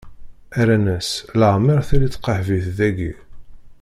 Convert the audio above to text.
Rran-as: Leɛmeṛ telli tqeḥbit dagi.